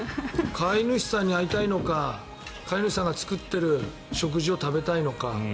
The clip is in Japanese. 飼い主さんに会いたいのか飼い主さんが作っている食事を食べたいのか。